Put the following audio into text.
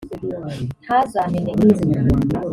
ntazameneke